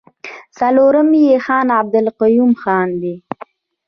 څلورم يې خان عبدالقيوم خان دی.